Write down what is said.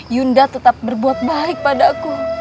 yunda tetap berbuat baik padaku